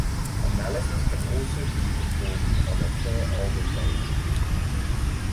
Analysis can also be performed on a per-album basis.